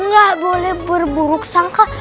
gak boleh berburuk sangka